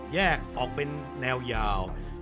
แยกออกเป็นแนวยาว